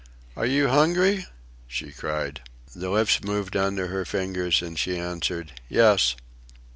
"Are you hungry?" she cried. The lips moved under her fingers, and she answered, "Yes."